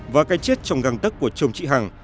và cái chết trong găng tức của chồng chị hằng